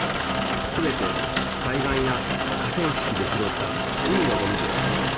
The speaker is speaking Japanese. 全て海岸や河川敷で拾った海のごみです。